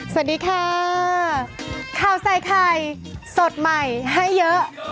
สวัสดีค่ะข้าวใส่ไข่สดใหม่ให้เยอะ